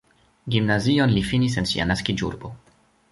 Gimnazion li finis en sia naskiĝurbo.